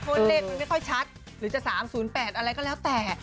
เพราะว่าเลขมันไม่ค่อยชัดหรือจะ๓๐๘อะไรก็แล้วแต่